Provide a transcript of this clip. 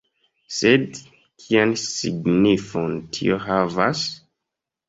Sed kian signifon tio havas?